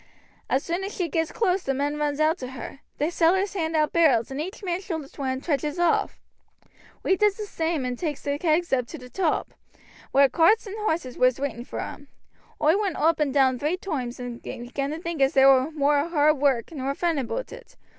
As soon as she gets close the men runs out to her; the sailors hands out barrels and each man shoulders one and trudges off. We does the same and takes the kegs up to t' top, whar carts and horses was waiting for 'em. Oi went oop and down three toimes and began to think as there war moor hard work nor fun aboot it.